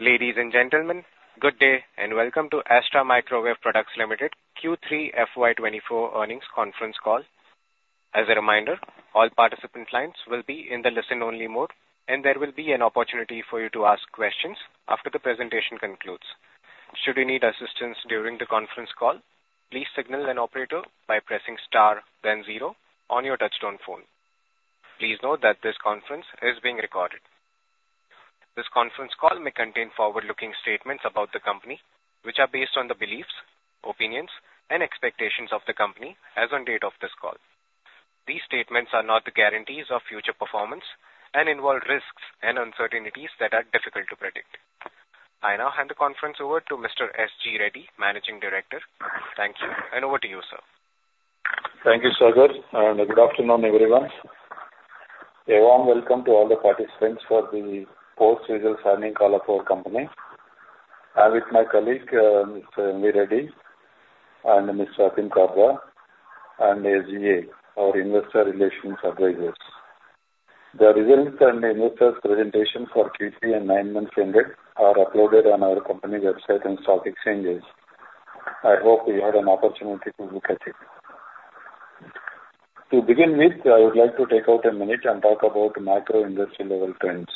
Ladies and gentlemen, good day and welcome to Astra Microwave Products Ltd. Q3 FY 2024 earnings conference call. As a reminder, all participant lines will be in the listen-only mode and there will be an opportunity for you to ask questions after the presentation concludes. Should you need assistance during the conference call, please signal an operator by pressing star then zero on your touch-tone phone. Please note that this conference is being recorded. This conference call may contain forward-looking statements about the company which are based on the beliefs, opinions, and expectations of the company as on date of this call. These statements are not the guarantees of future performance and involve risks and uncertainties that are difficult to predict. I now hand the conference over to Mr. S.G. Reddy, Managing Director. Thank you and over to you, sir. Thank you, Sagar. Good afternoon, everyone. A warm welcome to all the participants for the post-QIP signing call of our company. I'm with my colleague, Mr. M.V. Reddy, and Mr. Atim Kabra, and SGA, our investor relations advisors. The results and investors' presentations for Q3 and nine months ended are uploaded on our company website and stock exchanges. I hope you had an opportunity to look at it. To begin with, I would like to take a minute and talk about macro-industry level trends.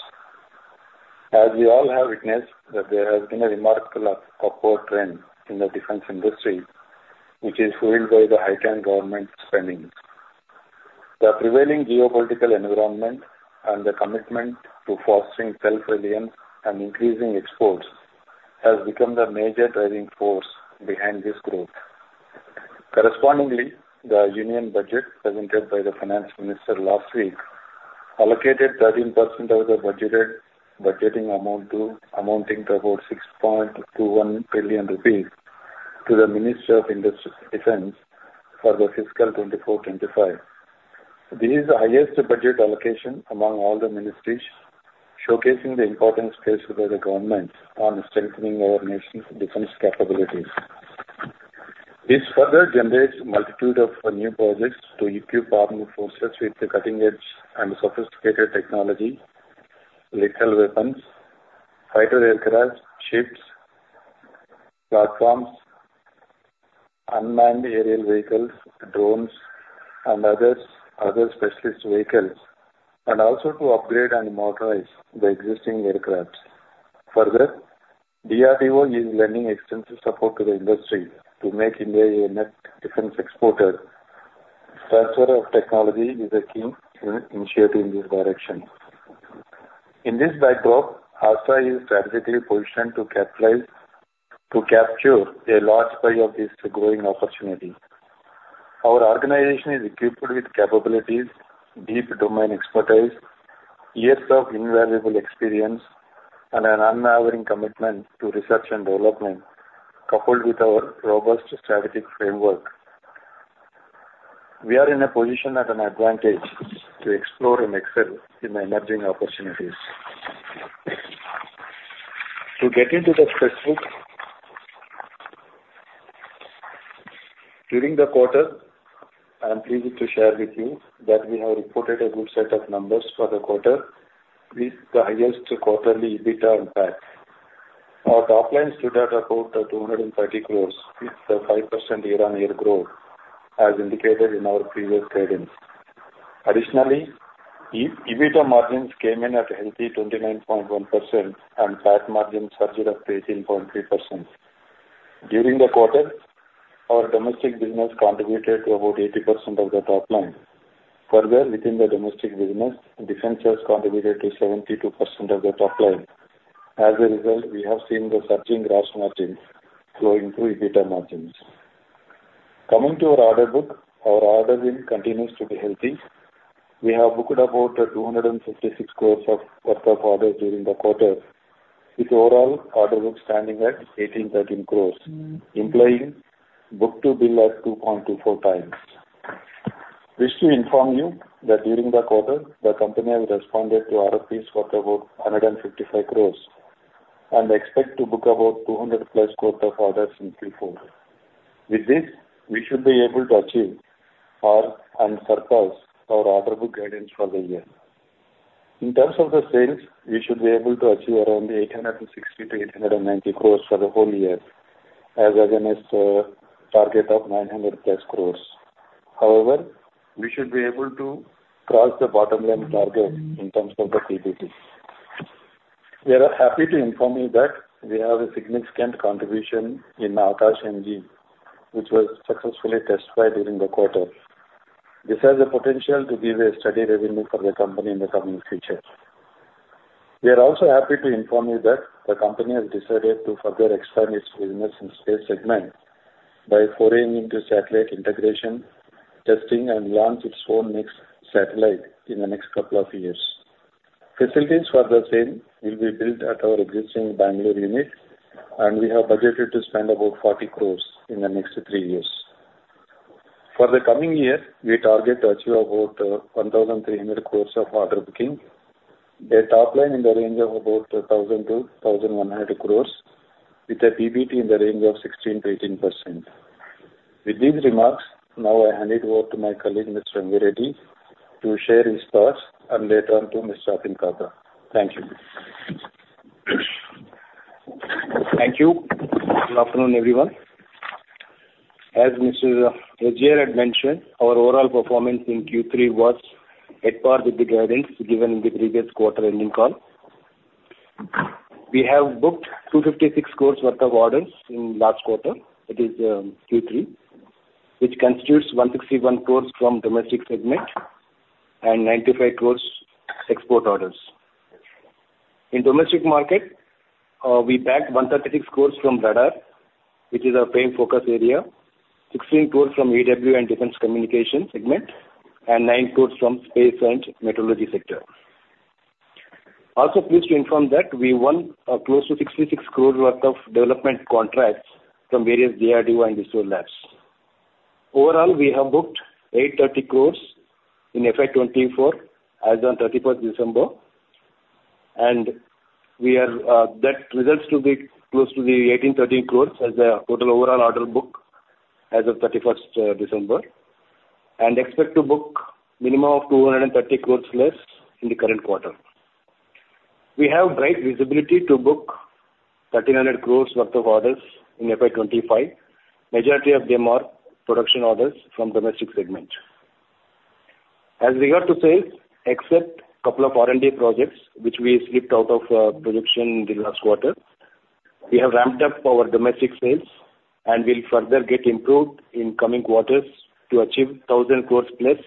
As we all have witnessed, there has been a remarkable upward trend in the defense industry which is fueled by the heightened government spending. The prevailing geopolitical environment and the commitment to fostering self-reliance and increasing exports has become the major driving force behind this growth. Correspondingly, the Union Budget presented by the finance minister last week allocated 13% of the budget amount, amounting to about 6.21 billion rupees, to the Ministry of Defence for the fiscal 2024-2025. This is the highest budget allocation among all the ministries, showcasing the importance placed by the government on strengthening our nation's defense capabilities. This further generates a multitude of new projects to equip our armed forces with the cutting-edge and sophisticated technology, lethal weapons, fighter aircraft, ships, platforms, unmanned aerial vehicles, drones, and other specialist vehicles, and also to upgrade and modernize the existing aircraft. Further, DRDO is lending extensive support to the industry to make India a net defense exporter. Transfer of technology is a key initiative in this direction. In this backdrop, Astra is strategically positioned to capture a large part of this growing opportunity. Our organization is equipped with capabilities, deep domain expertise, years of invaluable experience, and an unwavering commitment to research and development coupled with our robust strategic framework. We are in a position at an advantage to explore and excel in the emerging opportunities. To get into the specifics, during the quarter, I'm pleased to share with you that we have reported a good set of numbers for the quarter with the highest quarterly EBITDA and PAT. Our top lines stood at about 230 crore with 5% year-on-year growth as indicated in our previous guidance. Additionally, EBITDA margins came in at a healthy 29.1% and PAT margins surged up to 18.3%. During the quarter, our Domestic business contributed to about 80% of the top line. Further, within the Domestic business, defense sales contributed to 72% of the top line. As a result, we have seen the surging gross margins flowing through EBITDA margins. Coming to our order book, our order book continues to be healthy. We have booked orders worth about 256 crores during the quarter with overall order book standing at 1,813 crores, implying book-to-bill at 2.24 times. Wish to inform you that during the quarter, the company has responded to RFPs worth about 155 crores and expects to book orders worth about 200+ crores in Q4. With this, we should be able to achieve or surpass our order book guidance for the year. In terms of the sales, we should be able to achieve around 860 crores-890 crores for the whole year as against a target of 900+ crores. However, we should be able to cross the bottom-line target in terms of the PBT. We are happy to inform you that we have a significant contribution in Akash-NG which was successfully tested during the quarter. This has the potential to give a steady revenue for the company in the coming future. We are also happy to inform you that the company has decided to further expand its business in Space segments by foraying into satellite integration, testing, and launch its own next satellite in the next couple of years. Facilities for the same will be built at our existing Bangalore unit, and we have budgeted to spend about 40 crore in the next three years. For the coming year, we target to achieve about 1,300 crore of order booking, a top line in the range of about 1,000-1,100 crore with a PBT in the range of 16%-18%. With these remarks, now I hand it over to my colleague, Mr. M.V. Reddy, to share his thoughts, and later on to Mr. Atim Kabra. Thank you. Thank you. Good afternoon, everyone. As Mr. Reddy had mentioned, our overall performance in Q3 was at par with the guidance given in the previous quarter-ending call. We have booked 256 crores worth of orders in last quarter. It is Q3, which constitutes 161 crores from Domestic segment and 95 crores export orders. In Domestic market, we bagged 136 crores from Radar, which is our main focus area, 16 crores from EW and Defense Communication segment, and 9 crores from Space and Meteorology sector. Also, pleased to inform that we won close to 66 crores worth of development contracts from various DRDO and ISRO labs. Overall, we have booked 830 crore in FY 2024 as on December 31st, and that results to be close to the 1,813 crore as the total overall order book as of December 31st and expect to book a minimum of 230 crore less in the current quarter. We have bright visibility to book 1,300 crore worth of orders in FY 2025. Majority of them are production orders from Domestic segment. As regard to sales, except a couple of R&D projects which we slipped out of production in the last quarter, we have ramped up our Domestic sales and will further get improved in coming quarters to achieve 1,000 crore-plus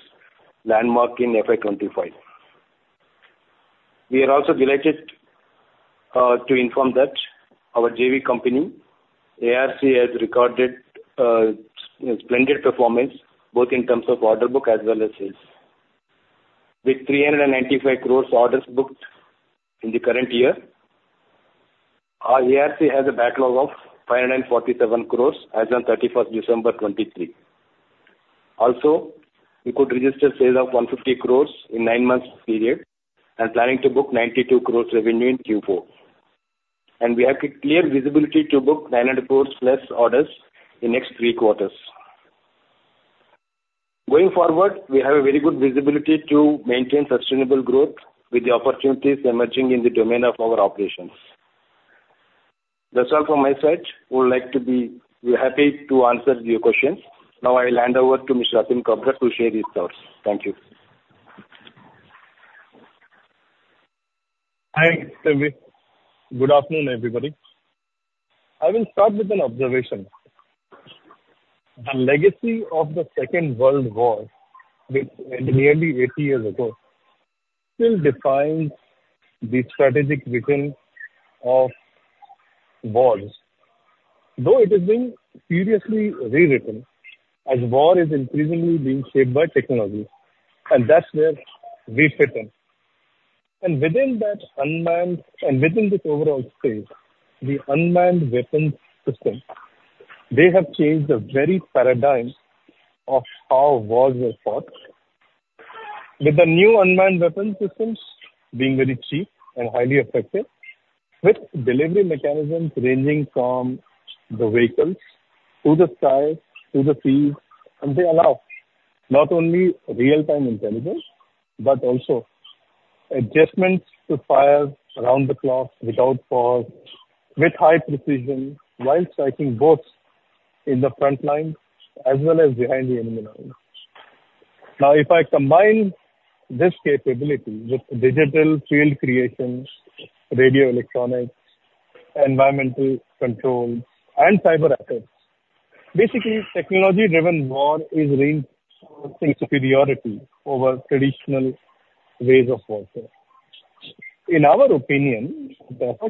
landmark in FY 2025. We are also delighted to inform that our JV company, ARC, has recorded splendid performance both in terms of order book as well as sales. With 395 crores orders booked in the current year, our ARC has a backlog of 547 crores as on December 31st, 2023. Also, we could register sales of 150 crores in a nine-month period and planning to book 92 crores revenue in Q4. We have clear visibility to book 900 crores+ orders in the next three quarters. Going forward, we have a very good visibility to maintain sustainable growth with the opportunities emerging in the domain of our operations. That's all from my side. We would like to be. We're happy to answer your questions. Now I'll hand over to Mr. Atim Kabra to share his thoughts. Thank you. Thanks, M.V.. Good afternoon, everybody. I will start with an observation. The legacy of the Second World War, which ended nearly 80 years ago, still defines the strategic vision of wars, though it is being seriously rewritten as war is increasingly being shaped by technology. And that's where we fit in. And within that unmanned and within this overall space, the unmanned weapons system, they have changed the very paradigm of how wars were fought. With the new unmanned weapons systems being very cheap and highly effective, with delivery mechanisms ranging from the vehicles to the skies to the seas, and they allow not only real-time intelligence but also adjustments to fire around the clock without pause, with high precision while striking both in the front line as well as behind the enemy line. Now, if I combine this capability with digital field creation, radio electronics, environmental controls, and cyber assets, basically, technology-driven war is reinforcing superiority over traditional ways of warfare. In our opinion,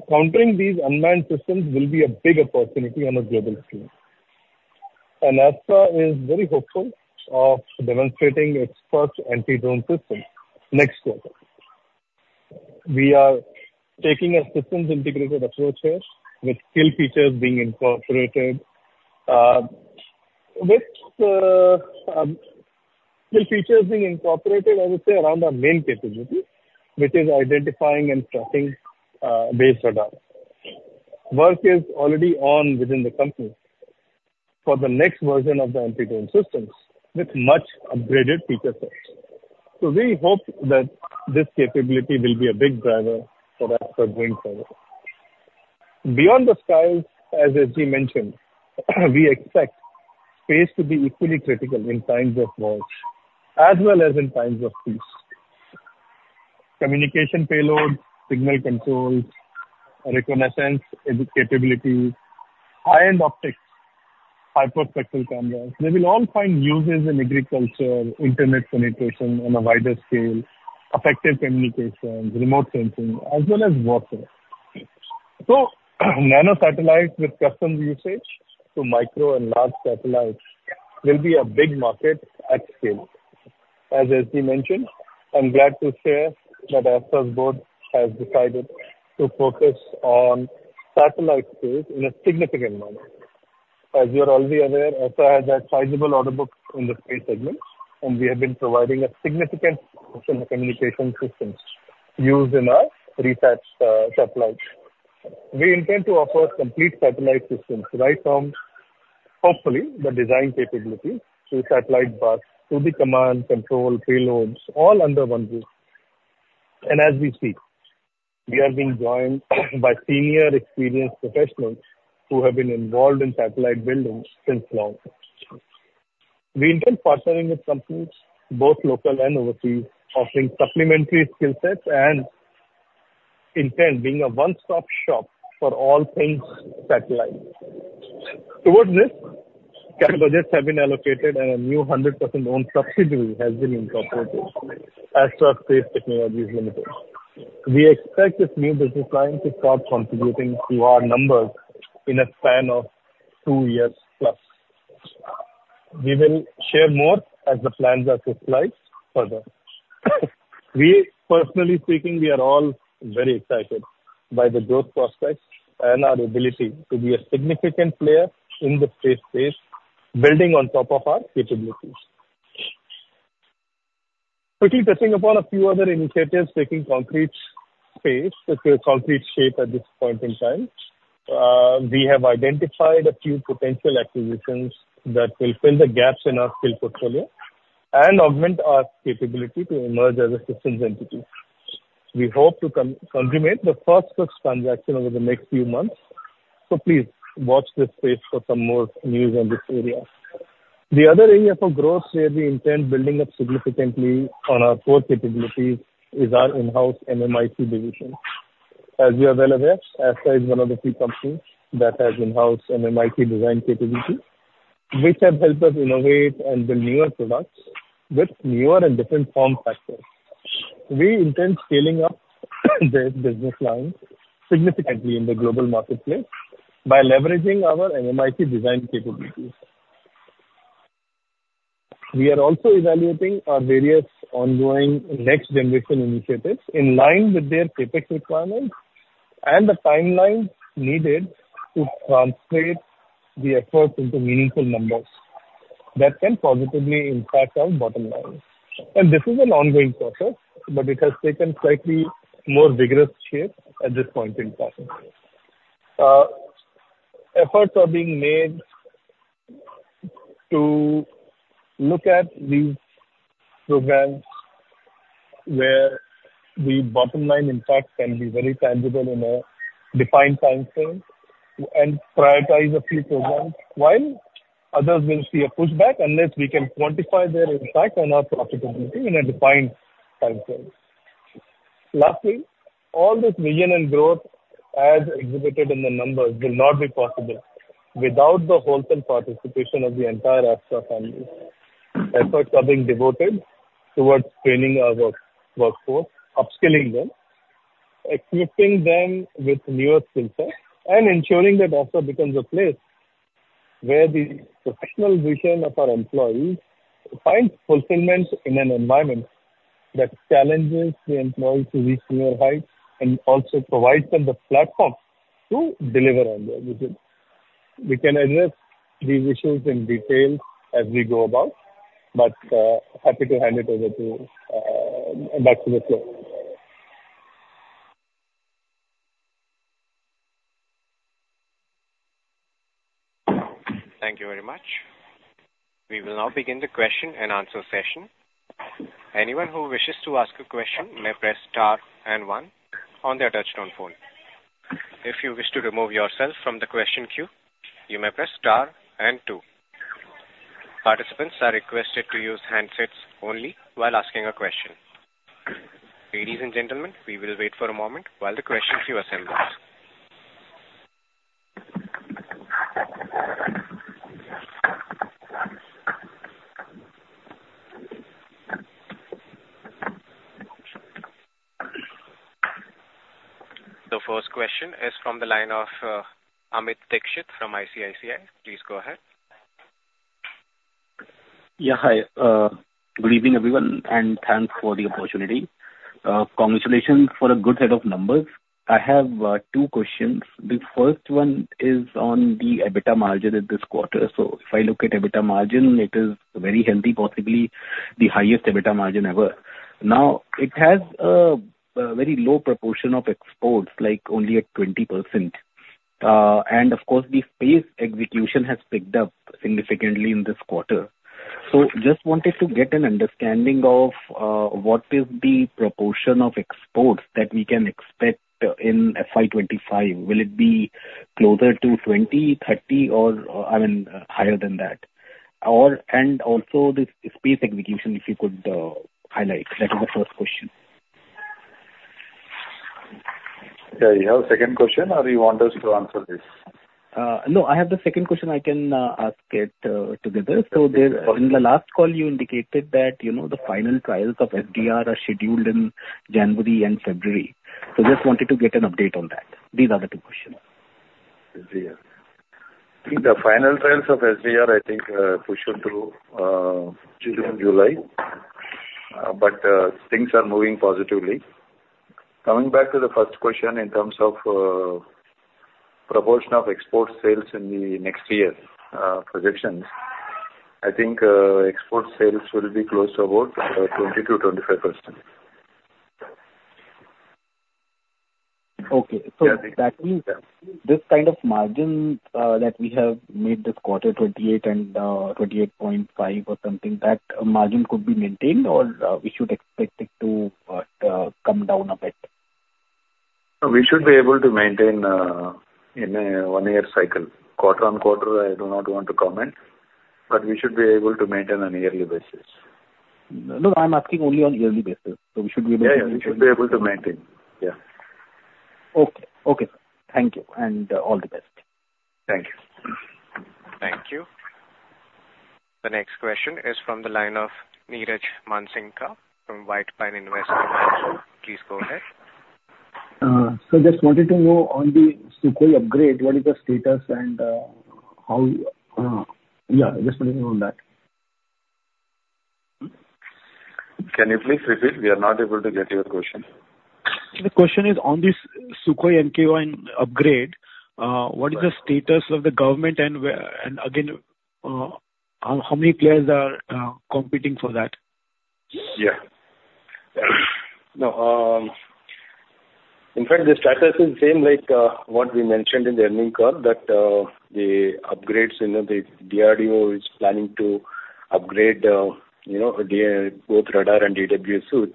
countering these unmanned systems will be a big opportunity on a global scale. Astra is very hopeful of demonstrating its first anti-drone system next quarter. We are taking a systems-integrated approach here with key features being incorporated. With key features being incorporated, I would say around our main capability, which is identifying and tracking based radar. Work is already on within the company for the next version of the anti-drone systems with much upgraded feature sets. So we hope that this capability will be a big driver for Astra going forward. Beyond the skies, as S.G. mentioned, we expect space to be equally critical in times of wars as well as in times of peace. Communication payloads, signal controls, reconnaissance capabilities, high-end optics, hyperspectral cameras, they will all find uses in agriculture, internet penetration on a wider scale, effective communications, remote sensing, as well as warfare. So nano-satellites with custom usage to micro and large satellites will be a big market at scale. As S.G. mentioned, I'm glad to share that Astra's board has decided to focus on satellite space in a significant manner. As you're already aware, Astra has a sizable order book in the Space segment, and we have been providing a significant portion of communication systems used in our RISAT satellites. We intend to offer complete satellite systems right from, hopefully, the design capabilities to satellite bus to the command, control, payloads, all under one roof. And as we speak, we are being joined by senior, experienced professionals who have been involved in satellite building since long. We intend partnering with companies, both local and overseas, offering supplementary skill sets and intend being a one-stop shop for all things satellites. Towards this, capital gifts have been allocated, and a new 100%-owned subsidiary has been incorporated, Astra Space Technologies Limited. We expect this new business line to start contributing to our numbers in a span of two years plus. We will share more as the plans are to slide further. Personally speaking, we are all very excited by the growth prospects and our ability to be a significant player in the space space building on top of our capabilities. Quickly touching upon a few other initiatives taking concrete shape at this point in time, we have identified a few potential acquisitions that will fill the gaps in our skill portfolio and augment our capability to emerge as a systems entity. We hope to consummate the first-class transaction over the next few months. So please watch this space for some more news on this area. The other area for growth where we intend building up significantly on our core capabilities is our in-house MMIC division. As you are well aware, Astra is one of the few companies that has in-house MMIC design capabilities, which have helped us innovate and build newer products with newer and different form factors. We intend scaling up this business line significantly in the global marketplace by leveraging our MMIC design capabilities. We are also evaluating our various ongoing next-generation initiatives in line with their CapEx requirements and the timeline needed to translate the efforts into meaningful numbers that can positively impact our bottom line. And this is an ongoing process, but it has taken slightly more vigorous shape at this point in time. Efforts are being made to look at these programs where the bottom line impact can be very tangible in a defined time frame and prioritize a few programs while others will see a pushback unless we can quantify their impact on our profitability in a defined time frame. Lastly, all this vision and growth as exhibited in the numbers will not be possible without the wholesale participation of the entire Astra family. Efforts are being devoted towards training our workforce, upskilling them, equipping them with newer skill sets, and ensuring that Astra becomes a place where the professional vision of our employees finds fulfillment in an environment that challenges the employees to reach newer heights and also provides them the platform to deliver on their vision. We can address these issues in detail as we go about, but happy to hand it over back to the floor. Thank you very much. We will now begin the question and answer session. Anyone who wishes to ask a question may press star and one on their touch-tone phone. If you wish to remove yourself from the question queue, you may press star and two. Participants are requested to use handsets only while asking a question. Ladies and gentlemen, we will wait for a moment while the question queue assembles. The first question is from the line of Amit Dixit from ICICI. Please go ahead. Yeah, hi. Good evening, everyone, and thanks for the opportunity. Congratulations for a good set of numbers. I have two questions. The first one is on the EBITDA margin in this quarter. So if I look at EBITDA margin, it is very healthy, possibly the highest EBITDA margin ever. Now, it has a very low proportion of exports, like only at 20%. And of course, the Space execution has picked up significantly in this quarter. So just wanted to get an understanding of what is the proportion of exports that we can expect in FY 2025. Will it be closer to 20, 30, or I mean, higher than that? And also the Space execution, if you could highlight. That is the first question. Yeah, you have a second question, or you want us to answer this? No, I have the second question. I can ask it together. So, in the last call, you indicated that the final trials of SDR are scheduled in January and February. So just wanted to get an update on that. These are the two questions. SDR. I think the final trials of SDR, I think, push on to June, July. But things are moving positively. Coming back to the first question, in terms of proportion of export sales in the next year projections, I think export sales will be close to about 20%-25%. Okay. So that means this kind of margin that we have made this quarter, 28%-28.5% or something, that margin could be maintained, or we should expect it to come down a bit? We should be able to maintain in a one-year cycle. Quarter-on-quarter, I do not want to comment, but we should be able to maintain on a yearly basis. No, I'm asking only on a yearly basis. So we should be able to maintain? Yeah, you should be able to maintain. Yeah. Okay. Okay, sir. Thank you. And all the best. Thank you. Thank you. The next question is from the line of Niraj Mansingka from White Pine Investment Management. Please go ahead. Just wanted to know on the Sukhoi upgrade, what is the status and how? Yeah, just wanted to know that. Can you please repeat? We are not able to get your question. The question is on this Sukhoi Su-30MKI upgrade. What is the status of the government and again, how many players are competing for that? Yeah. No, in fact, the status is the same as what we mentioned in the earnings call, that the upgrades in the DRDO is planning to upgrade both Radar and EW suite.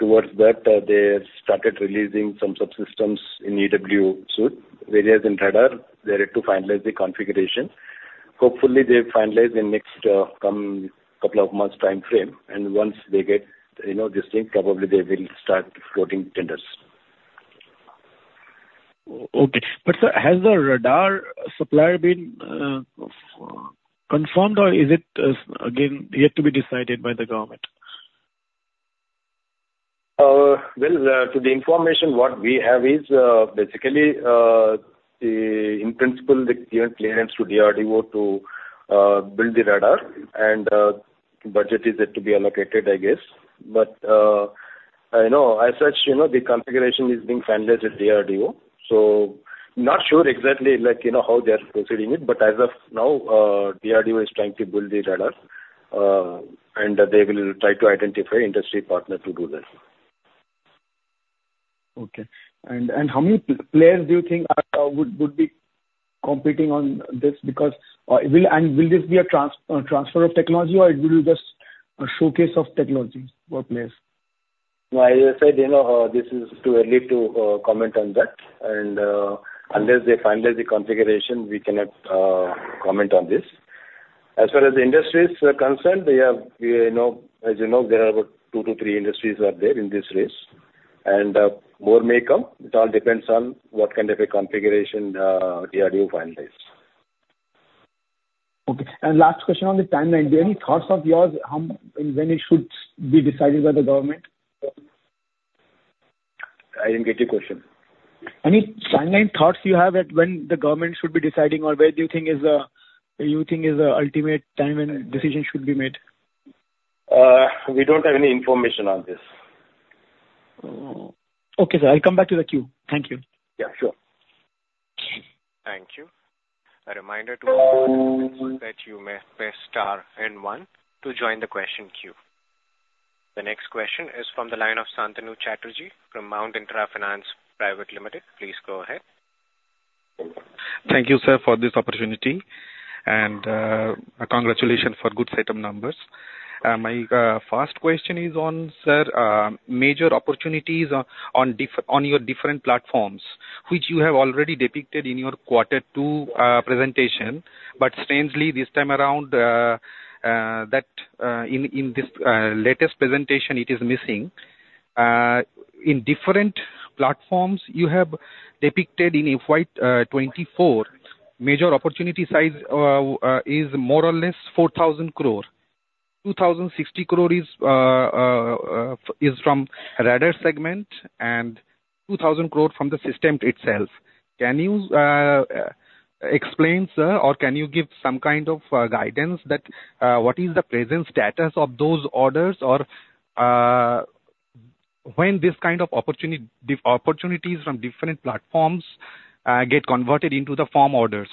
Towards that, they started releasing some subsystems in EW suite, various in Radar. They're to finalize the configuration. Hopefully, they finalize in the next couple of months' time frame. And once they get these things, probably they will start floating tenders. Okay. But sir, has the radar supplier been confirmed, or is it, again, yet to be decided by the government? Well, to the information what we have is basically, in principle, they give clearance to DRDO to build the Radar, and budget is yet to be allocated, I guess. But as such, the configuration is being finalized at DRDO. So not sure exactly how they are proceeding it, but as of now, DRDO is trying to build the Radar, and they will try to identify an industry partner to do that. Okay. How many players do you think would be competing on this? Will this be a transfer of technology, or it will be just a showcase of technology for players? No, as I said, this is too early to comment on that. Unless they finalize the configuration, we cannot comment on this. As far as the industry is concerned, as you know, there are about 2-3 industries out there in this race. More may come. It all depends on what kind of a configuration DRDO finalizes. Okay. And last question on the timeline. Do you have any thoughts of yours when it should be decided by the government? I didn't get your question. Any timeline thoughts you have at when the government should be deciding, or where do you think is the ultimate time when decision should be made? We don't have any information on this. Okay, sir. I'll come back to the queue. Thank you. Yeah, sure. Thank you. A reminder to all participants that you may press star and one to join the question queue. The next question is from the line of Santanu Chatterjee from Mount Intra Finance Private Limited. Please go ahead. Thank you, sir, for this opportunity, and congratulations for good set of numbers. My first question is on, sir, major opportunities on your different platforms, which you have already depicted in your quarter two presentation. But strangely, this time around, in this latest presentation, it is missing. In different platforms, you have depicted in FY 2024, major opportunity size is more or less 4,000 crore. 2,060 crore is from Radar segment and 2,000 crore from the system itself. Can you explain, sir, or can you give some kind of guidance that what is the present status of those orders or when these kind of opportunities from different platforms get converted into the form orders?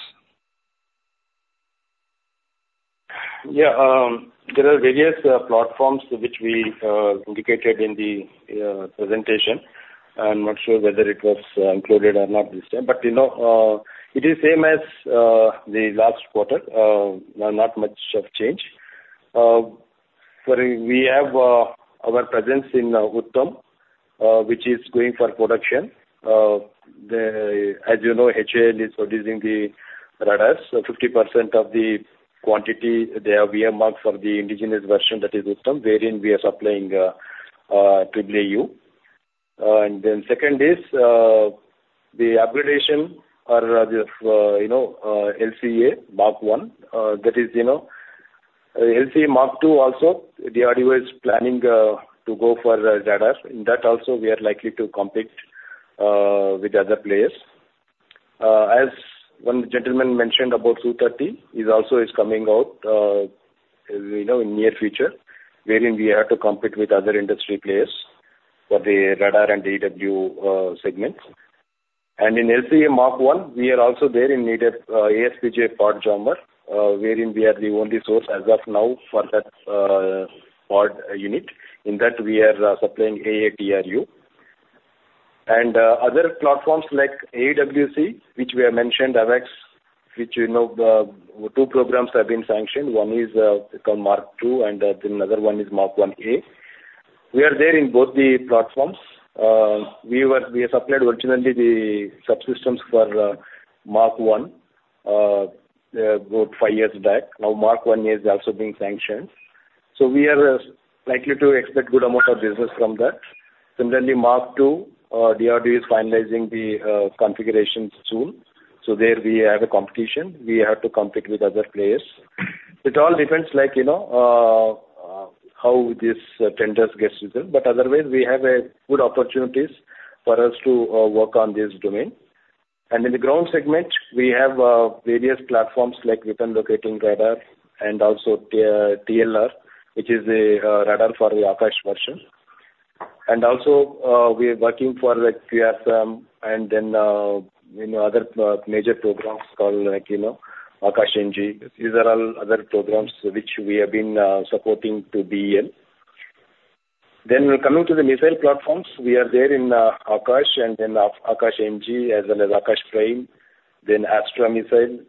Yeah. There are various platforms which we indicated in the presentation. I'm not sure whether it was included or not this time. But it is the same as the last quarter. Not much of change. We have our presence in Uttam, which is going for production. As you know, HAL is producing the radars. 50% of the quantity, they have AON mark for the indigenous version that is Uttam, wherein we are supplying AAU. And then second is the upgradation or the LCA Mark I. That is LCA Mark II also. DRDO is planning to go for Radar. In that also, we are likely to compete with other players. As one gentleman mentioned about Su-30, it also is coming out in the near future, wherein we have to compete with other industry players for the Radar and EW segments. In LCA Mark I, we are also there in need of ASPJ pod jammer, wherein we are the only source as of now for that pod unit. In that, we are supplying AAA Unit. Other platforms like AEW&C, which we have mentioned, AWACS, which two programs have been sanctioned. One is called Mark II, and then another one is Mark IA. We are there in both the platforms. We supplied originally the subsystems for Mark I about five years back. Now, Mark I is also being sanctioned. So, we are likely to expect a good amount of business from that. Similarly, Mark II, DRDO is finalizing the configuration soon. So there, we have a competition. We have to compete with other players. It all depends how this tender gets resolved. But otherwise, we have good opportunities for us to work on this domain. In the ground segment, we have various platforms like Weapon Locating Radar and also TLR, which is the Radar for the Akash version. We are also working for QRSAM and then other major programs called Akash-NG. These are all other programs which we have been supporting to BEL. Then coming to the missile platforms, we are there in Akash and then Akash-NG as well as Akash Prime, then Astra Missile,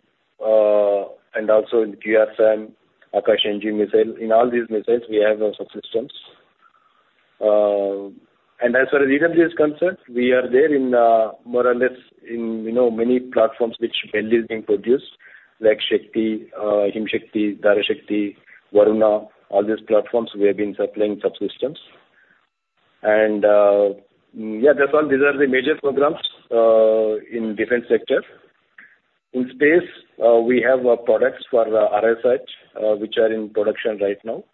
and also in QRSAM, Akash-NG Missile. In all these missiles, we have subsystems. And as far as EW is concerned, we are there more or less in many platforms which BEL is producing, like Himshakti, Shakti, Varuna, all these platforms. We have been supplying subsystems. And yeah, that's all. These are the major programs in the Defense sector. In Space, we have products for RISAT, which are in production right now.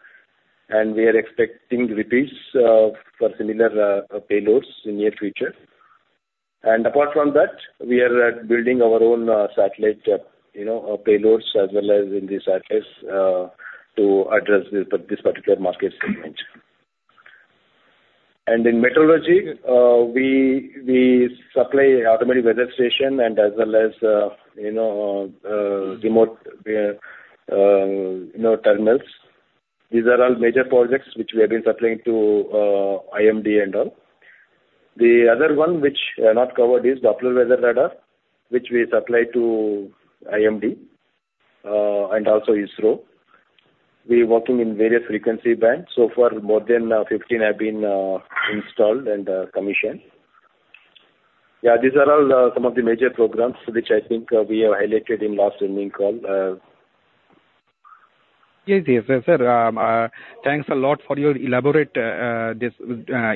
We are expecting repeats for similar payloads in the near future. Apart from that, we are building our own satellite payloads as well as in the satellites to address this particular market segment. In Meteorology, we supply automated weather station and as well as remote terminals. These are all major projects which we have been supplying to IMD and all. The other one which I have not covered is Doppler Weather Radar, which we supply to IMD and also ISRO. We are working in various frequency bands. So far, more than 15 have been installed and commissioned. Yeah, these are all some of the major programs which I think we have highlighted in last earnings call. Yes, yes, yes, sir. Thanks a lot for your elaborate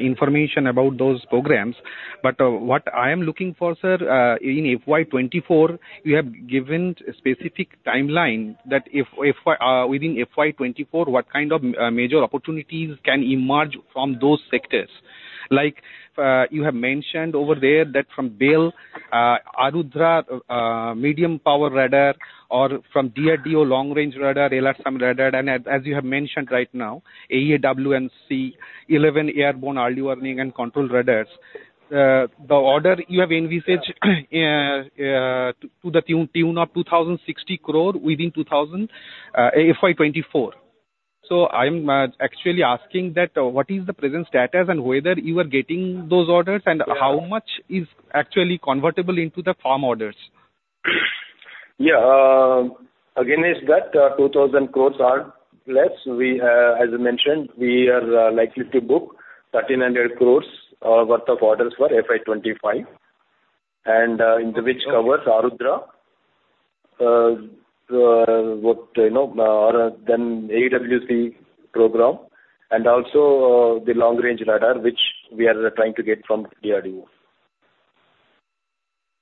information about those programs. But what I am looking for, sir, in FY 2024, you have given a specific timeline that within FY 2024, what kind of major opportunities can emerge from those sectors. You have mentioned over there that from BEL, Arudhra Medium Power Radar, or from DRDO long-range radar, LRSAM Radar, and as you have mentioned right now, AEW&C, 11 airborne early warning and control radars, the order you have envisaged to the tune of 2,060 crore within FY 2024. So I am actually asking that what is the present status and whether you are getting those orders and how much is actually convertible into firm orders? Yeah. Again, is that 2,000 crore or less? As I mentioned, we are likely to book 1,300 crore worth of orders for FY 2025, and in which covers Arudhra then AEW&C program and also the long-range radar, which we are trying to get from DRDO.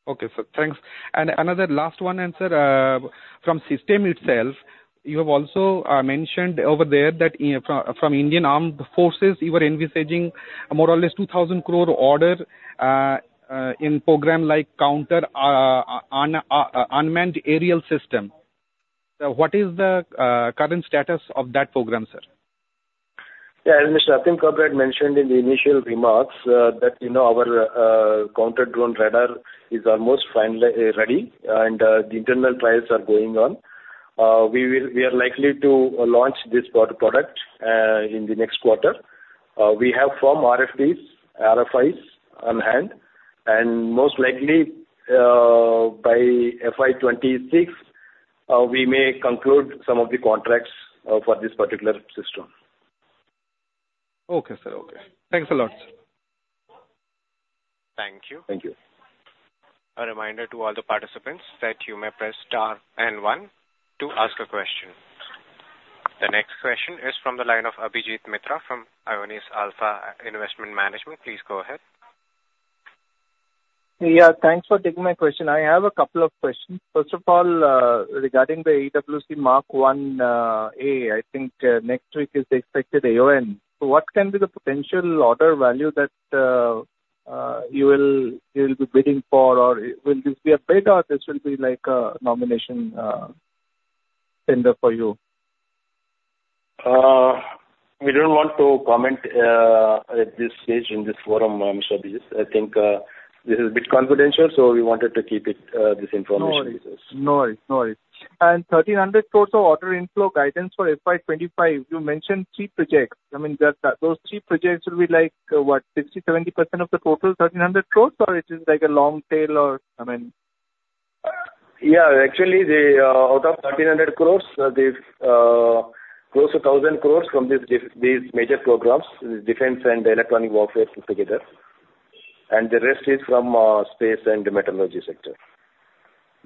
Okay, sir. Thanks. And one last answer from C-UAS itself. You have also mentioned over there that from Indian Armed Forces, you were envisaging more or less 2,000 crore order in program like counter unmanned aerial system. What is the current status of that program, sir? Yeah, as Mr. Atim Kabra had mentioned in the initial remarks that our anti-drone radar is almost ready, and the internal trials are going on. We are likely to launch this product in the next quarter. We have four RFIs on hand. And most likely, by FY26, we may conclude some of the contracts for this particular system. Okay, sir. Okay. Thanks a lot, sir. Thank you. Thank you. A reminder to all the participants that you may press star and one to ask a question. The next question is from the line of Abhijit Mitra from Aionios Alpha Investment Management. Please go ahead. Yeah, thanks for taking my question. I have a couple of questions. First of all, regarding the AEW&C Mark IA, I think next week is the expected AON. So what can be the potential order value that you will be bidding for, or will this be a bid, or this will be like a nomination tender for you? We don't want to comment at this stage in this forum, Mr. Abhijit. I think this is a bit confidential, so we wanted to keep this information with us. No worries. No worries. And 1,300 crores of order inflow guidance for FY 2025, you mentioned three projects. I mean, those three projects will be like, what, 60%-70% of the total 1,300 crores, or it is like a long tail, or I mean? Yeah, actually, out of 1,300 crore, there's close to 1,000 crore from these major programs, Defense and Electronic Warfare put together. The rest is from Space and the Meteorology sector.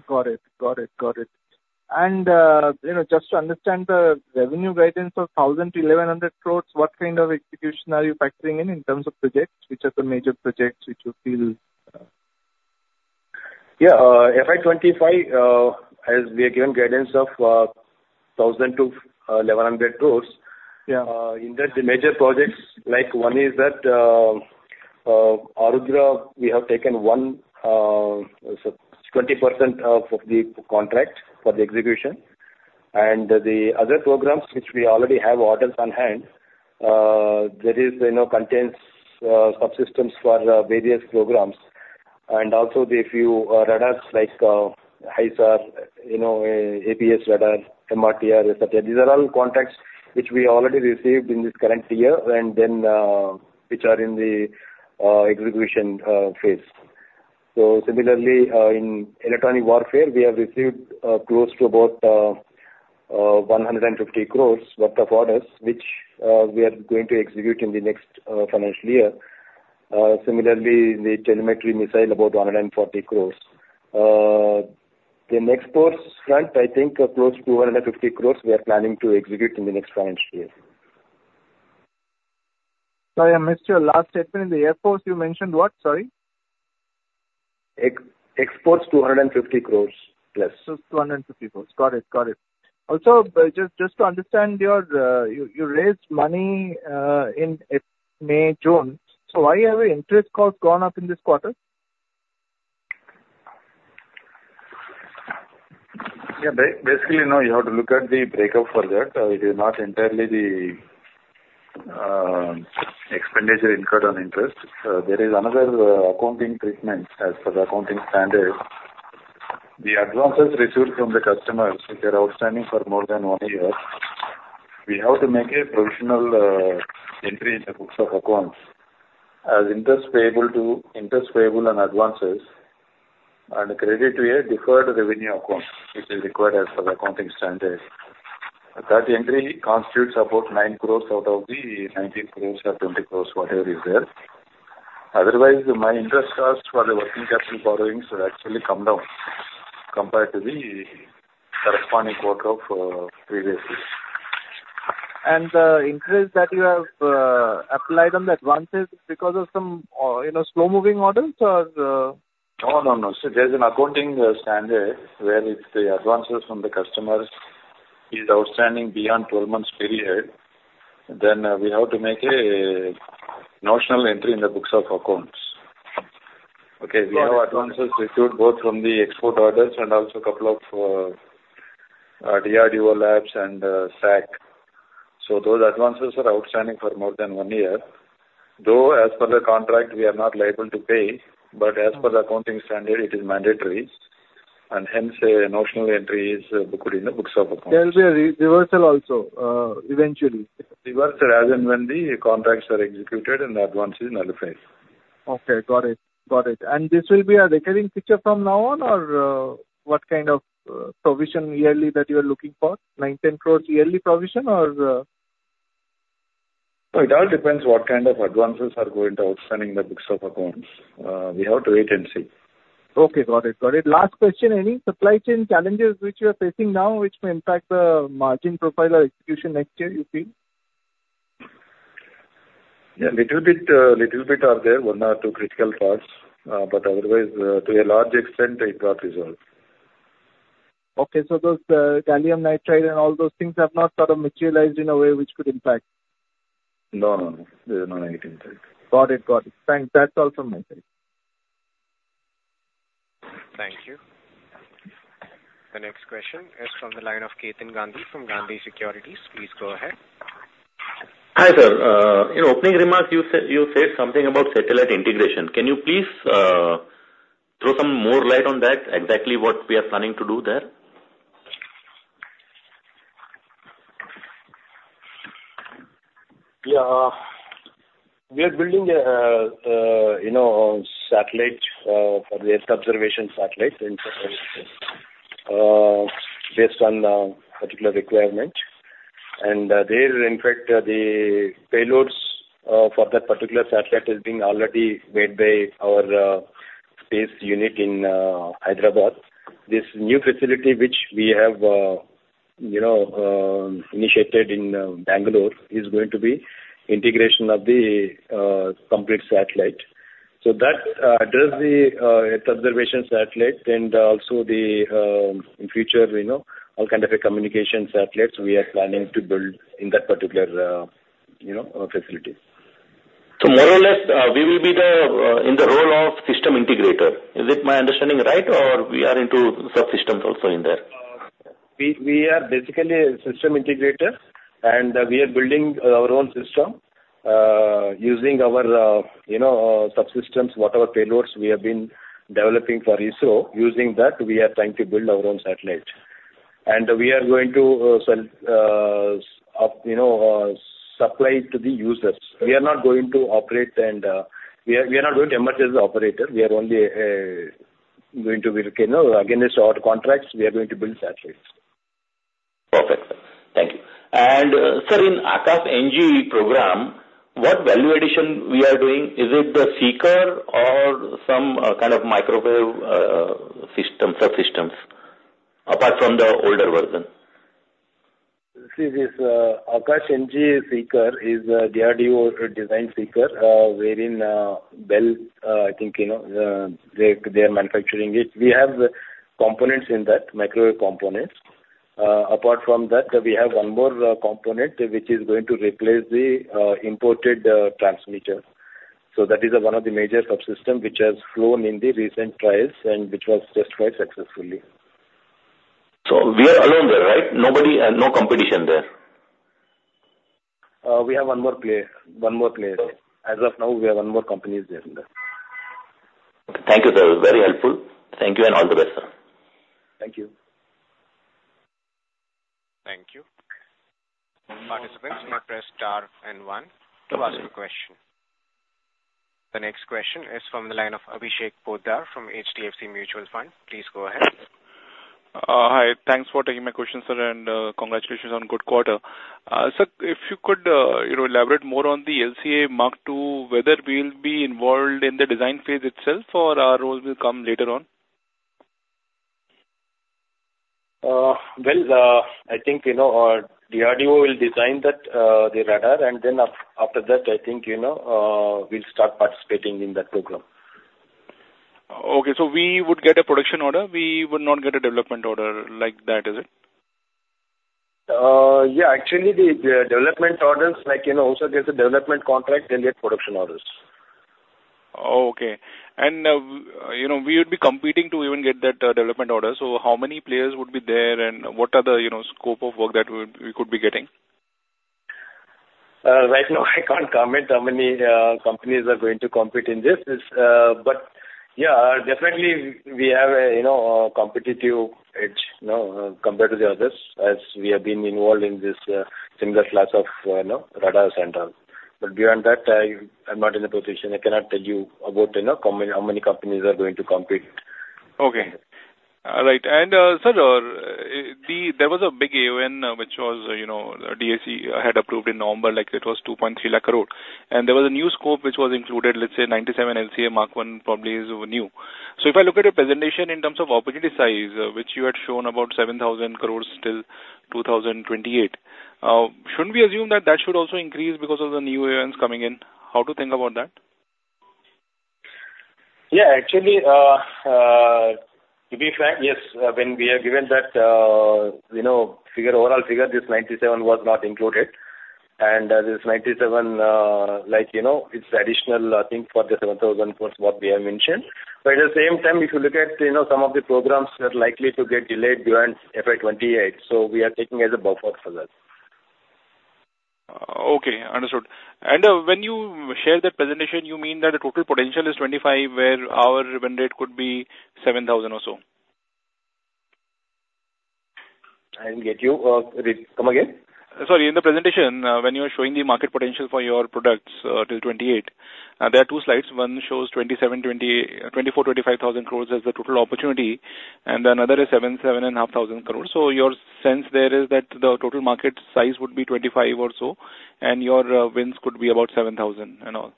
Got it. Got it. Got it. Just to understand the revenue guidance of 1,000 crore-1,100 crore, what kind of execution are you factoring in in terms of projects, which are the major projects which you feel? Yeah, FY 2025, as we are given guidance of 1,000 crore-1,100 crore, in that, the major projects like one is that Arudhra, we have taken 20% of the contract for the execution. The other programs, which we already have orders on hand, that contains subsystems for various programs. Also, the few radars like HPSR, APS Radar, MTR, etc. These are all contracts which we already received in this current year and then which are in the execution phase. So similarly, in electronic warfare, we have received close to about 150 crore worth of orders, which we are going to execute in the next financial year. Similarly, the Telemetry Missile, about 140 crore. Then exports front, I think close to 250 crore we are planning to execute in the next financial year. Sorry, I missed your last statement. In the Air Force, you mentioned what? Sorry. Exports, 250 crore+. So 250 crore. Got it. Got it. Also, just to understand, you raised money in May, June. So why have interest costs gone up in this quarter? Yeah, basically, you have to look at the breakup for that. It is not entirely the expenditure incurred on interest. There is another accounting treatment as per the accounting standard. The advances received from the customers, if they're outstanding for more than one year, we have to make a provisional entry in the books of accounts as interest payable and advances and credit to a deferred revenue account, which is required as per the accounting standard. That entry constitutes about 9 crore out of the 19 crore or 20 crore, whatever is there. Otherwise, my interest costs for the working capital borrowings have actually come down compared to the corresponding quarter of previously. The interest that you have applied on the advances, is it because of some slow-moving orders, or? No, no, no. There's an accounting standard where if the advances from the customers is outstanding beyond 12 months period, then we have to make a notional entry in the books of accounts. Okay? We have advances received both from the export orders and also a couple of DRDO labs and SAC. So those advances are outstanding for more than one year. Though, as per the contract, we are not liable to pay, but as per the accounting standard, it is mandatory. And hence, a notional entry is booked in the books of accounts. There will be a reversal also eventually. Reversal as in when the contracts are executed and the advances nullified. Okay. Got it. Got it. And this will be a recurring feature from now on, or what kind of provision yearly that you are looking for, 19 crore yearly provision, or? It all depends what kind of advances are going outstanding in the books of accounts. We have to wait and see. Okay. Got it. Got it. Last question, any supply chain challenges which you are facing now which may impact the margin profile or execution next year, you feel? Yeah, little bit are there, one or two critical parts. But otherwise, to a large extent, it got resolved. Okay. So those gallium nitride and all those things have not sort of materialized in a way which could impact? No, no, no. There's not anything like that. Got it. Got it. Thanks. That's all from my side. Thank you. The next question is from the line of Ketan Gandhi from Gandhi Securities. Please go ahead. Hi, sir. In opening remarks, you said something about satellite integration. Can you please throw some more light on that, exactly what we are planning to do there? Yeah. We are building a satellite for the Earth observation satellite based on a particular requirement. There, in fact, the payloads for that particular satellite are being already made by our space unit in Hyderabad. This new facility which we have initiated in Bangalore is going to be integration of the complete satellite. That addresses the Earth observation satellite and also in future, all kinds of communication satellites we are planning to build in that particular facility. So more or less, we will be in the role of system integrator. Is it my understanding right, or we are into subsystems also in there? We are basically a system integrator, and we are building our own system using our subsystems, whatever payloads we have been developing for ISRO. Using that, we are trying to build our own satellite. We are going to supply to the users. We are not going to operate and we are not going to emerge as an operator. We are only going to work against our contracts. We are going to build satellites. Perfect. Thank you. And sir, in Akash-NG program, what value addition are we doing? Is it the Seeker or some kind of microwave subsystems apart from the older version? See, this Akash-NG Seeker is a DRDO-designed Seeker wherein BEL, I think they are manufacturing it. We have components in that, microwave components. Apart from that, we have one more component which is going to replace the imported transmitter. So that is one of the major subsystems which has flown in the recent trials and which was justified successfully. We are alone there, right? Nobody and no competition there? We have one more player. One more player. As of now, we have one more company there. Thank you, sir. Very helpful. Thank you, and all the best, sir. Thank you. Thank you. Participants, may I press star one to ask a question? The next question is from the line of Abhishek Poddar from HDFC Mutual Fund. Please go ahead. Hi. Thanks for taking my question, sir, and congratulations on good quarter. Sir, if you could elaborate more on the LCA Mark II, whether we'll be involved in the design phase itself, or our role will come later on? Well, I think DRDO will design the radar, and then after that, I think we'll start participating in that program. Okay. So we would get a production order. We would not get a development order like that, is it? Yeah. Actually, the development orders, like also gets a development contract, they'll get production orders. Okay. And we would be competing to even get that development order. So how many players would be there, and what are the scope of work that we could be getting? Right now, I can't comment how many companies are going to compete in this. But yeah, definitely, we have a competitive edge compared to the others as we have been involved in this similar class of radars and all. But beyond that, I'm not in a position. I cannot tell you about how many companies are going to compete. Okay. All right. And sir, there was a big AON which DAC had approved in November. It was 230,000 crore. And there was a new scope which was included, let's say, 97 LCA Mark I probably is new. So if I look at your presentation in terms of opportunity size, which you had shown about 7,000 crore till 2028, shouldn't we assume that that should also increase because of the new AONs coming in? How to think about that? Yeah. Actually, to be frank, yes. When we are given that overall figure, this 97 crore was not included. And this 97 crore, it's additional, I think, for the 7,000 crore what we have mentioned. But at the same time, if you look at some of the programs that are likely to get delayed beyond FY 2028, so we are taking as a buffer for that. Okay. Understood. When you shared that presentation, you mean that the total potential is 25 where our win rate could be 7,000 or so? I didn't get you. Come again? Sorry. In the presentation, when you are showing the market potential for your products till 2028, there are two slides. One shows 24,000 crore-25,000 crore as the total opportunity, and the other is 7,750,000 crore. So your sense there is that the total market size would be 25,000 crore or so, and your wins could be about 7,000 and all?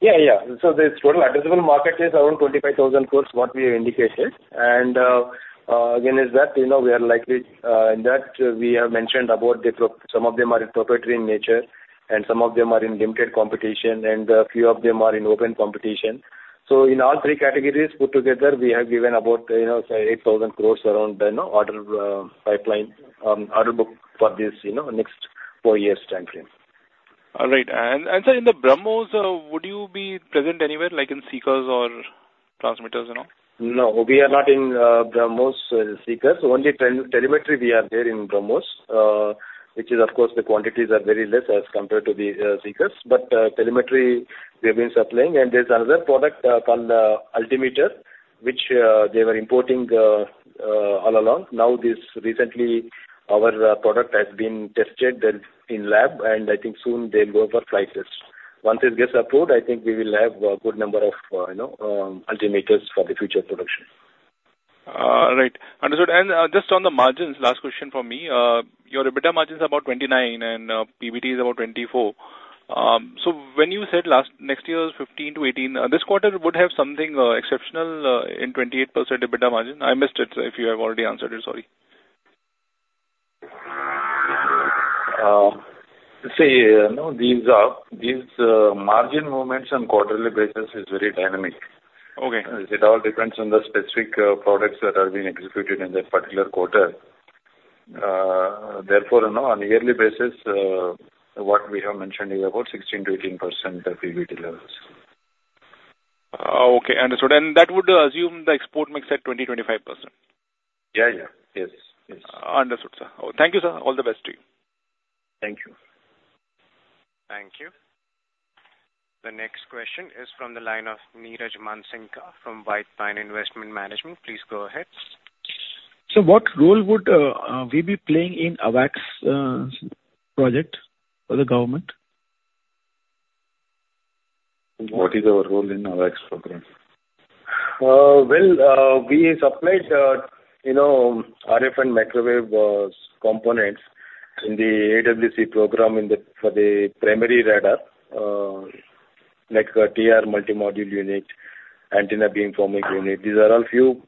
Yeah, yeah. So this total addressable market is around 25,000 crore what we have indicated. And again, is that we are likely in that we have mentioned about some of them are in proprietary nature, and some of them are in limited competition, and a few of them are in open competition. So in all three categories put together, we have given about 8,000 crore around the order pipeline, order book for this next four years' timeframe. All right. And sir, in the BrahMos, would you be present anywhere like in seekers or transmitters and all? No. We are not in BrahMos seekers. Only Telemetry, we are there in BrahMos, which is, of course, the quantities are very less as compared to the seekers. But Telemetry, we have been supplying. And there's another product called altimeter which they were importing all along. Now, recently, our product has been tested in lab, and I think soon they'll go for flight test. Once it gets approved, I think we will have a good number of altimeters for the future production. All right. Understood. And just on the margins, last question for me. Your EBITDA margin is about 29%, and PBT is about 24%. So when you said next year is 15%-18%, this quarter would have something exceptional in 28% EBITDA margin? I missed it if you have already answered it. Sorry. See, these margin movements on quarterly basis are very dynamic. It all depends on the specific products that are being executed in that particular quarter. Therefore, on a yearly basis, what we have mentioned is about 16%-18% of PBT levels. Okay. Understood. And that would assume the export mix at 20%-25%? Yeah, yeah. Yes, yes. Understood, sir. Thank you, sir. All the best to you. Thank you. Thank you. The next question is from the line of Niraj Mansingka from White Pine Investment Management. Please go ahead. Sir, what role would we be playing in AWACS project for the government? What is our role in AWACS program? Well, we supplied RF and microwave components in the AWACS program for the primary radar, like a TR multimodule unit, antenna beamforming unit. These are all few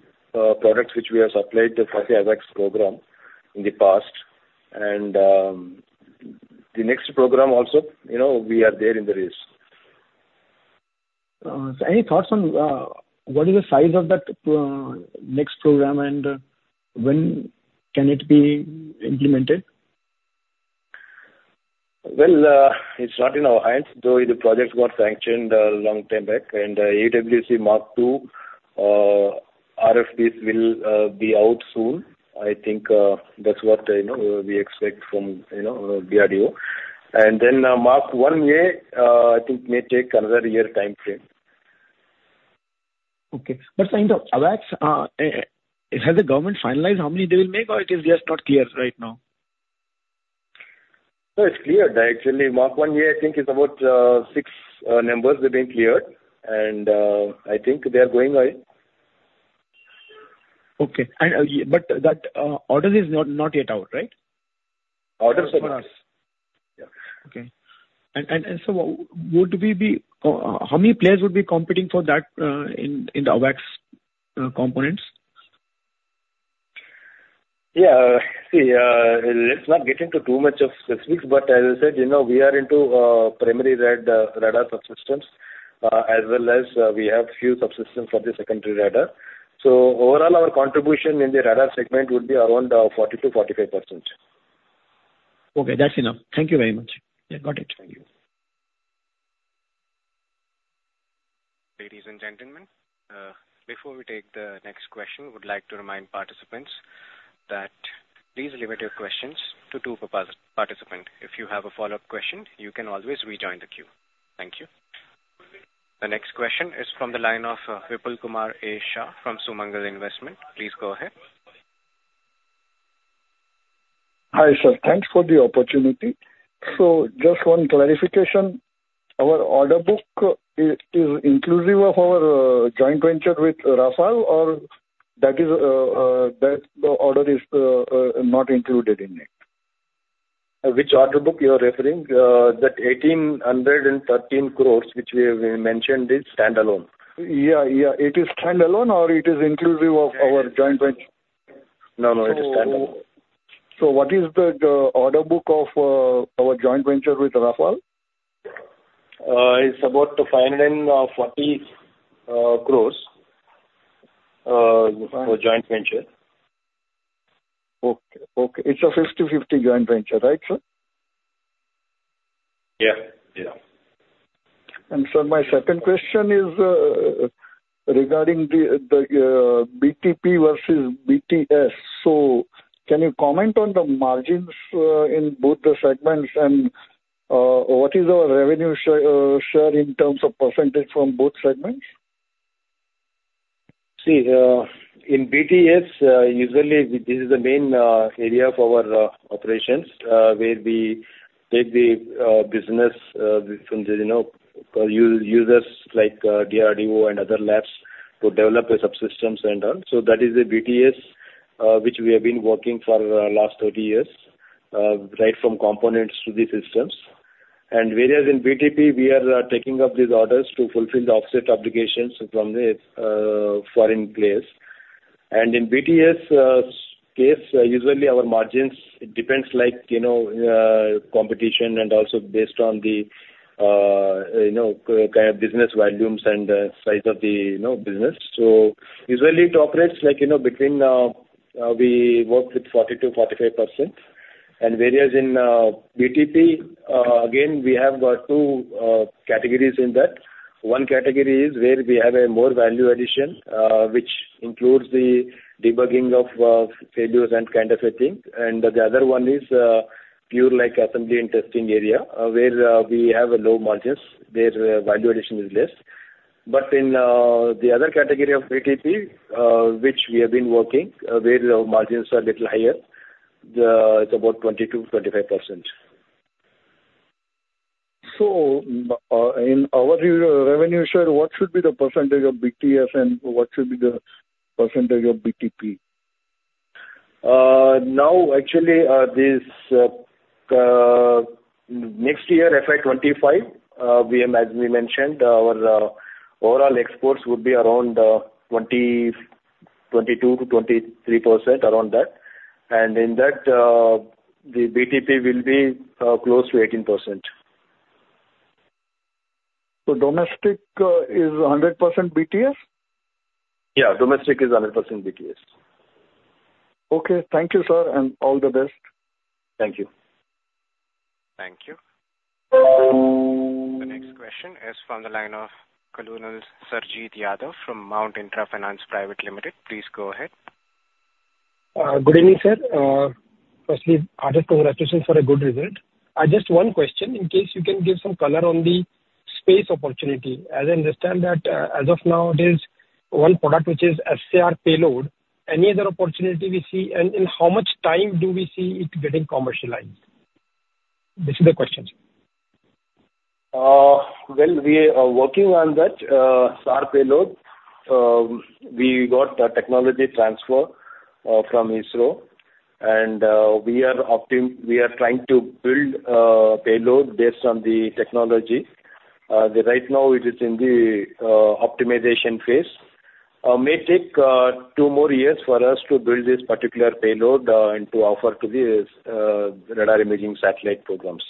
products which we have supplied for the AWACS program in the past. And the next program also, we are there in the race. Any thoughts on what is the size of that next program, and when can it be implemented? Well, it's not in our hands, though the project got sanctioned a long time back. AEW&C Mark II RFPs will be out soon. I think that's what we expect from DRDO. Then Mark IA, I think, may take another year timeframe. Okay. But sir, in the AEW&C, has the government finalized how many they will make, or it is just not clear right now? No, it's cleared. Actually, Mark IA, I think, is about six numbers that have been cleared. I think they are going ahead. Okay. But that order is not yet out, right? Order for us. Yeah. Okay. And so would we be how many players would be competing for that in the Akash components? Yeah. See, let's not get into too much of specifics. But as I said, we are into primary radar subsystems as well as we have few subsystems for the secondary radar. So overall, our contribution in the Radar segment would be around 40%-45%. Okay. That's enough. Thank you very much. Yeah. Got it. Thank you. Ladies and gentlemen, before we take the next question, would like to remind participants that please limit your questions to two per participant. If you have a follow-up question, you can always rejoin the queue. Thank you. The next question is from the line of Vipulkumar A. Shah from Sumangal Investment. Please go ahead. Hi, sir. Thanks for the opportunity. Just one clarification. Our order book is inclusive of our joint venture with Rafael, or that order is not included in it? Which order book you are referring? That 1,813 crore which we have mentioned is standalone. Yeah, yeah. It is standalone, or it is inclusive of our joint venture? No, no. It is standalone. What is the order book of our joint venture with Rafael? It's about 540 crore for joint venture. Okay. Okay. It's a 50/50 joint venture, right, sir? Yeah, yeah. Sir, my second question is regarding the BTP versus BTS. Can you comment on the margins in both the segments, and what is our revenue share in terms of percentage from both segments? See, in BTS, usually, this is the main area for our operations where we take the business from the users like DRDO and other labs to develop the subsystems and all. So that is the BTS which we have been working for the last 30 years, right from components to the systems. And whereas in BTP, we are taking up these orders to fulfill the offset obligations from the foreign players. And in BTS case, usually, our margins, it depends like competition and also based on the kind of business volumes and size of the business. So usually, it operates between we work with 40%-45%. And whereas in BTP, again, we have two categories in that. One category is where we have a more value addition which includes the debugging of failures and kind of a thing. And the other one is pure assembly and testing area where we have a low margins. Their value addition is less. But in the other category of BTP which we have been working where the margins are a little higher, it's about 20%-25%. In our revenue share, what should be the percentage of BTS, and what should be the percentage of BTP? Now, actually, next year, FY 2025, as we mentioned, our overall exports would be around 22%-23%, around that. In that, the BTP will be close to 18%. Domestic is 100% BTS? Yeah. Domestic is 100% BTS. Okay. Thank you, sir, and all the best. Thank you. Thank you. The next question is from the line of Colonel Sarjeet Yadav from Mount Intra Finance Private Limited. Please go ahead. Good evening, sir. Firstly, heartfelt congratulations for a good result. Just one question in case you can give some color on the space opportunity. As I understand that as of now, there's one product which is SAR payload. Any other opportunity we see, and in how much time do we see it getting commercialized? This is the question. Well, we are working on that SAR payload. We got the technology transfer from ISRO, and we are trying to build payload based on the technology. Right now, it is in the optimization phase. May take two more years for us to build this particular payload and to offer to the radar imaging satellite programs.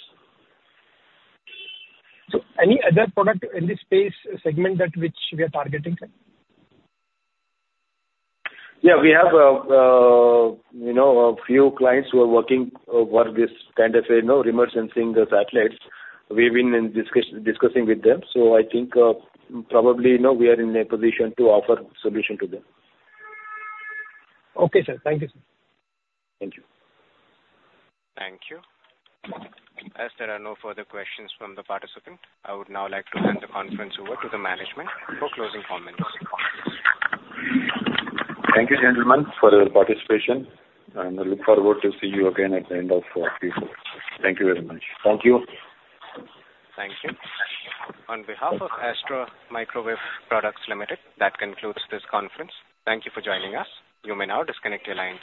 Any other product in this Space segment which we are targeting? Yeah. We have a few clients who are working for this kind of remanufacturing the satellites. We've been discussing with them. So I think probably we are in a position to offer solution to them. Okay, sir. Thank you, sir. Thank you. Thank you. Astra, no further questions from the participant. I would now like to hand the conference over to the management for closing comments. Thank you, gentlemen, for your participation. I look forward to seeing you again at the end of April. Thank you very much. Thank you. Thank you. On behalf of Astra Microwave Products Limited, that concludes this conference. Thank you for joining us. You may now disconnect your lines.